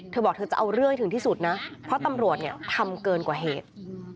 เธอบอกเธอจะเอาเรื่องให้ถึงที่สุดนะเพราะตำรวจเนี่ยทำเกินกว่าเหตุ